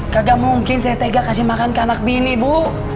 kagak mungkin saya tega kasih makan ke anak bini bu